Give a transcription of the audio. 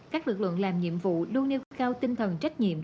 các lực lượng làm nhiệm vụ luôn nêu cao tinh thần trách nhiệm